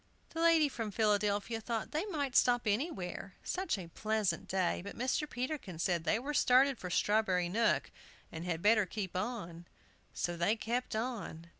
The lady from Philadelphia thought they might stop anywhere, such a pleasant day, but Mr. Peterkin said they were started for Strawberry Nook, and had better keep on, So they kept on.